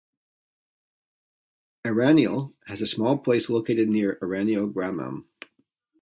Eraniel has a small palace located near Eraniel Gramam.